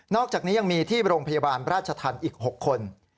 อกจากนี้ยังมีที่โรงพยาบาลราชธรรมอีก๖คน